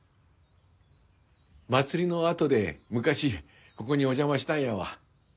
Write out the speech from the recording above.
祭りのあとで昔ここにお邪魔したんやわ。